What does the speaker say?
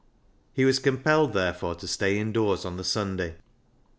He was compelled therefore to stay indoors on the Sunday.